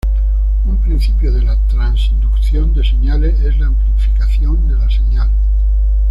Un principio de la transducción de señales es la amplificación de la señal.